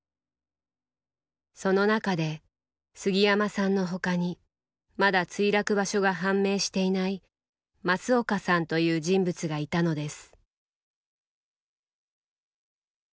その中で杉山さんの他にまだ墜落場所が判明していない増岡さんという人物がいたのです。